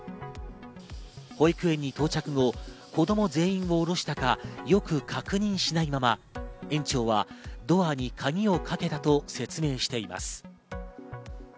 保育園に到着後、子供全員を降ろしたか、よく確認しないまま園長はドアに鍵をかけたと説明しています。